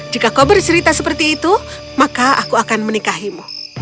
jika kau bercerita seperti itu maka aku akan menikahimu